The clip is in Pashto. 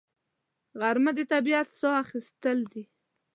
غرمه د طبیعت ساه اخیستل دي